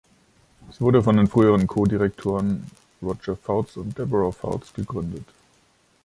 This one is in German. Es wurde von den früheren Co-Direktoren Roger Fouts und Deborah Fouts gegründet.